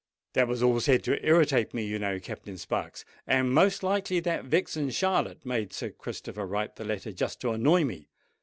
That was all said to irritate me, you know, Captain Sparks; and most likely that vixen Charlotte made Sir Christopher write the letter just to annoy me.